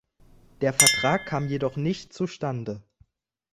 Der Vertrag kam jedoch nicht zustande.